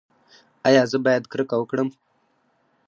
ایا زه باید کرکه وکړم؟